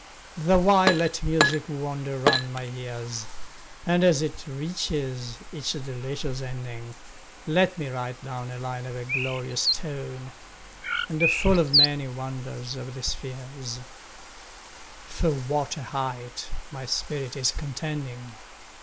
The while let music wander round my ears, And as it reaches each delicious ending, 10 Let me write down a line of glorious tone, And full of many wonders of the spheres: For what a height my spirit is contending!